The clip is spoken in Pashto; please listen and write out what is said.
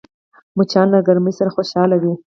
مچان له ګرمۍ سره خوشحال وي